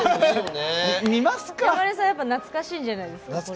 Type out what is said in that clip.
山根さん懐かしいんじゃないですか？